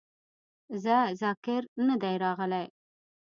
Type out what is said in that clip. څۀ ذکر نۀ دے راغلے